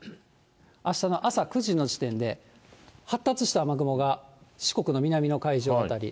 あしたの朝９時の時点で、発達した雨雲が四国の南の海上辺り。